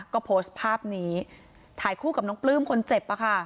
ก็โพสต์ภาพนี้ถ่ายคู่กับน้องปลื้มคนเจ็บ